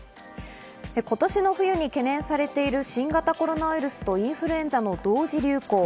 今年の冬に懸念されている、新型コロナウイルスとインフルエンザの同時流行。